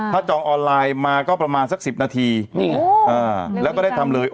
ถ้าจองออนไลน์มาก็ประมาณสัก๑๐นาทีแล้วก็ได้ทำเลย